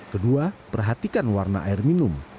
kedua perhatikan warna air minum